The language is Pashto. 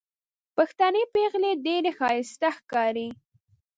پښتنې پېغلې ډېرې ښايستې ښکاري